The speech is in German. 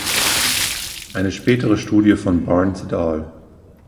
Eine spätere Studie von Barnes et al.